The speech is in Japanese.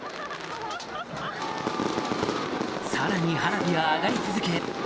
さらに花火は上がり続け